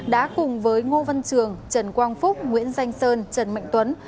đã cùng với ngô văn trường trần quang phúc nguyễn danh sơn trần mạnh tuấn